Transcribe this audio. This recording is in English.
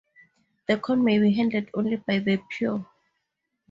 The corn may be handled only by the pure.